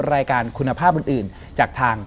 รายการคุณภาพอื่นจากทาง